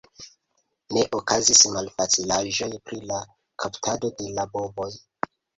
Ne okazis malfacilaĵoj pri la kaptado de la bovoj.